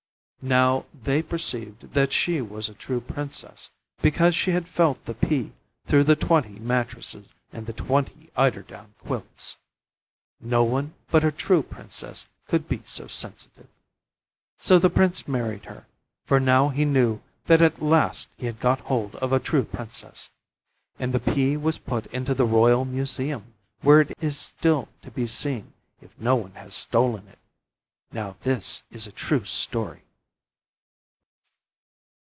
Now they perceived that she was a true Princess, because she had felt the pea through the twenty mattresses and the twenty eider down quilts. No one but a true Princess could be so sensitive. So the Prince married her, for now he knew that at last he had got hold of a true Princess. And the pea was put into the Royal Museum, where it is still to be seen if no one has stolen it. Now this is a true story.